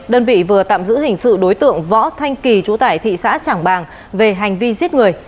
đơn vị vừa tạm giữ hình sự đối tượng võ thanh kỳ trú tại thị xã trảng bàng về hành vi giết người